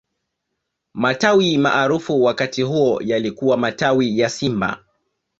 matawi maarufu wakati huo yalikuwa matawi ya simba